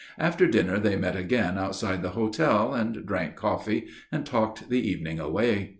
After dinner they met again outside the hotel, and drank coffee and talked the evening away.